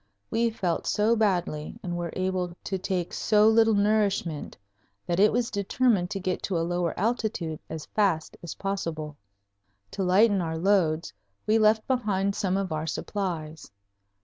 We felt so badly and were able to take so little nourishment that it was determined to get to a lower altitude as fast as possible. To lighten our loads we left behind some of our supplies.